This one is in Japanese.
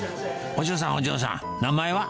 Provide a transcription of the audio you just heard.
お嬢さん、お嬢さん、名前は？